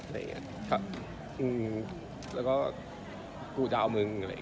แล้วก็กูจะเอามึง